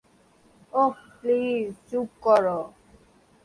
ওহ, please, চুপ কর।